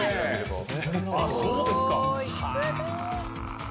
・すごい。